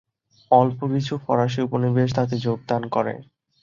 অল্প কিছু ফরাসি উপনিবেশ তাতে যোগদান করে।